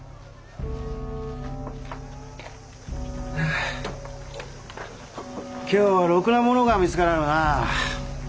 ああ今日はろくな物が見つからぬな。